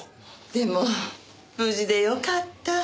でも無事でよかった。